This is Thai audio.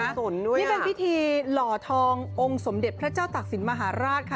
นี่เป็นพิธีหล่อทององค์สมเด็จพระเจ้าตักศิลปมหาราชค่ะ